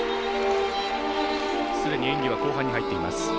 すでに演技は後半に入っています。